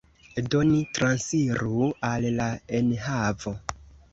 Do, ni transiru al la enhavo.